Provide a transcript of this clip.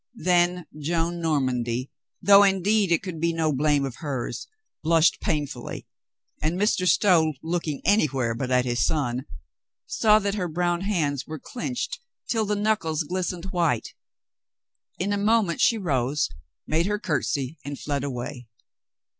Then Joan Normandy, though indeed it could be no blame of hers, blushed painfully, and Mr. Stow, looking anywhere but at his son, saw that her brown hands were clenched till the knuckles glistened white. In a moment she rose, made her curtsy and fled away.